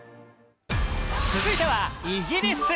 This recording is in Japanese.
続いてはイギリス。